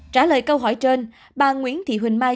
trả lời câu hỏi trên bà nguyễn thị huỳnh mai